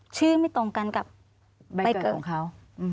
ไม่ตรงกันกับใบเกิดของเขา